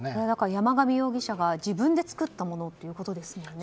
山上容疑者が自分で作ったものということですもんね。